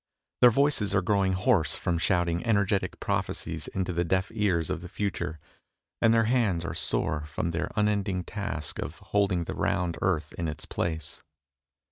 Their voices are growing hoarse from shouting energetic prophecies into the deaf ears of the future, and their hands are sore from their unending task of holding the round earth in its place.